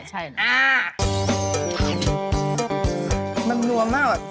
ใช่นะอ่ามันนัวมาก